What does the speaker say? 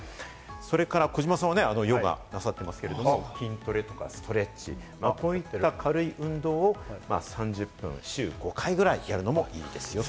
それから児嶋さんはヨガをなさってますけれども、筋トレとかストレッチ、こういった軽い運動を３０分、週５回くらいやるのもいいですよと。